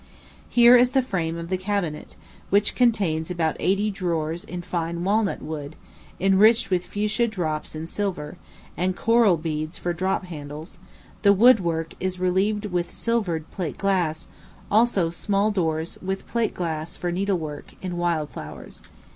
Here is the frame of the cabinet, which contains about eighty drawers in fine walnut wood, enriched with fuschia drops in silver, and coral beads for drop handles; the wood work is relieved with silvered plate glass; also small doors with plate glass for needlework, in wild flowers.